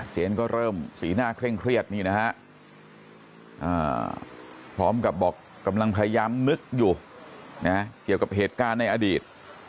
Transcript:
เจนก็เริ่มสีหน้าเคร่งเครียดนี่นะฮะพร้อมกับบอกกำลังพยายามนึกอยู่นะเกี่ยวกับเหตุการณ์ในอดีต